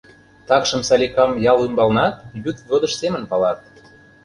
Такшым Саликам ял ӱмбалнат «Йӱд водыж» семын палат.